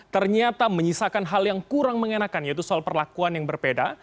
ternyata menyisakan hal yang kurang mengenakan yaitu soal perlakuan yang berbeda